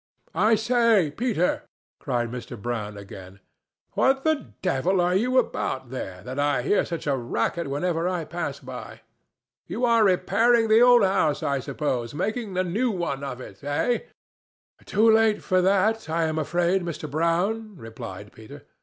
"I say, Peter!" cried Mr. Brown, again; "what the devil are you about there, that I hear such a racket whenever I pass by? You are repairing the old house, I suppose, making a new one of it? Eh?" "Too late for that, I am afraid, Mr. Brown," replied Peter.